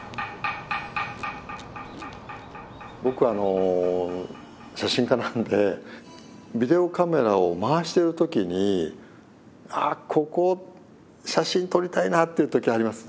僕写真家なんでビデオカメラを回してる時にあここ写真撮りたいなっていう時あります。